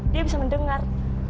dia bisa mendengar